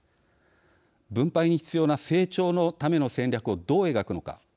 分配に必要な成長のための戦略をどう描くのか。